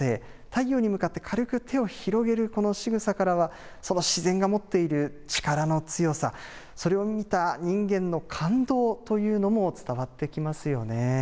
太陽に向かって軽く手を広げる、このしぐさからは、自然が持っている力の強さ、それを見た人間の感動というのも伝わってきますよね。